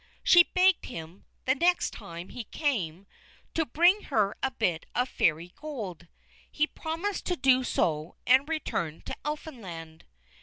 She begged him, the next time he came, to bring her a bit of Fairy Gold. He promised to do so, and returned to Elfinland.